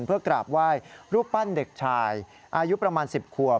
เพื่อกราบไหว้รูปปั้นเด็กชายอายุประมาณ๑๐ขวบ